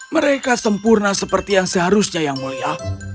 mereka sempurna seperti yang seharusnya yang mulia